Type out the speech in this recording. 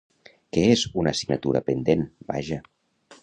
Que és una assignatura pendent, vaja.